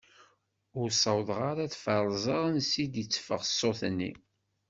Ur sawḍeɣ ara ad feṛzeɣ ansa d-itteffeɣ ṣṣut-nni.